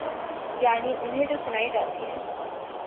یعنی انہیں جو سنائی جاتی ہے۔